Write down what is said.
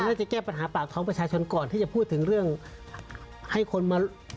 น่าจะแก้ปัญหาปากท้องประชาชนก่อนที่จะพูดถึงเรื่องให้คนมา